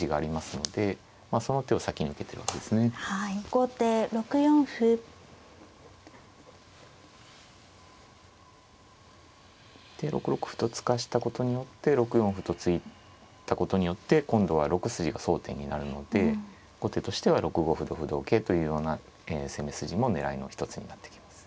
後手６四歩。で６六歩と突かしたことによって６四歩と突いたことによって今度は６筋が争点になるので後手としては６五歩同歩同桂というような攻め筋も狙いの一つになってきます。